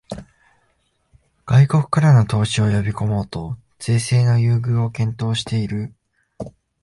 外国からの投資を呼びこもうと税制の優遇を検討している